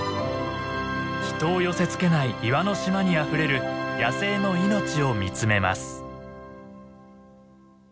人を寄せつけない岩の島にあふれる野生の命を見つめます。